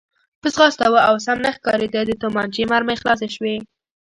په ځغاسته و او سم نه ښکارېده، د تومانچې مرمۍ خلاصې شوې.